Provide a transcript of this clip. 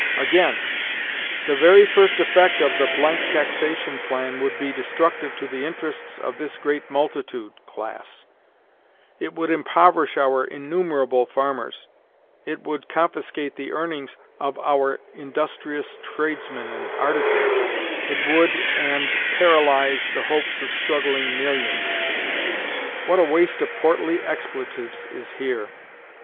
Again: "The very first effect of the taxation plan would be destructive to the interests of this great multitude [class]; it would impoverish our innumerable farmers, it would confiscate the earnings of [our] industrious tradesmen and artisans, it would [and] paralyze the hopes of struggling millions." What a waste of portly expletives is here!